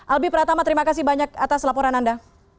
albi pratama terima kasih banyak atas laporan anda